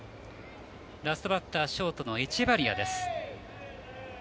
ラストバッターはショートのエチェバリアです。